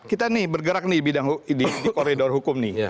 kita nih bergerak nih bidang di koridor hukum nih